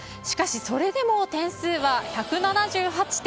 しかし、それでも点数は１７８．９２。